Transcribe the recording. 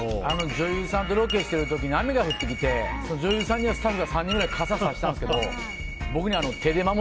女優さんとロけしてる時に雨が降ってきて女優さんにはスタッフが３人くらい傘さしたんですけど